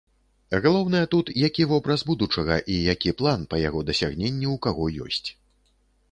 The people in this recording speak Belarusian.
Галоўнае тут, які вобраз будучага і які план па яго дасягненні ў каго ёсць.